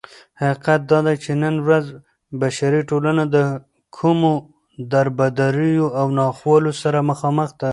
حقيقت دادى چې نن ورځ بشري ټولنه دكومو دربدريو او ناخوالو سره مخامخ ده